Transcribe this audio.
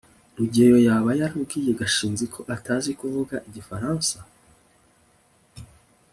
rugeyo yaba yarabwiye gashinzi ko atazi kuvuga igifaransa? (ck